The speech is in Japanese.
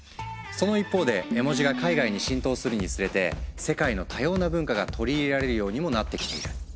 その一方で絵文字が海外に浸透するにつれて世界の多様な文化が取り入れられるようにもなってきている。